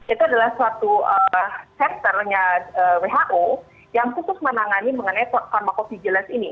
itu adalah suatu sectornya who yang khusus menangani mengenai pharmacophilicillance ini